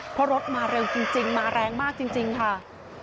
เพราะรถมาเร็วจริงมาแรงมากจริงค่ะ